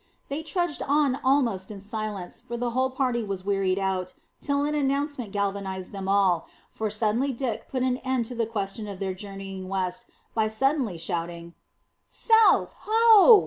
They trudged on almost in silence, for the whole party were wearied out, till an announcement galvanised them all, for suddenly Dick put an end to the question of their journeying west by suddenly shouting, "South ho!"